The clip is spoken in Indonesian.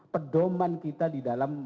pedoman kita di dalam